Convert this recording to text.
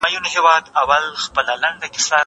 انځور د زده کوونکي له خوا کتل کيږي!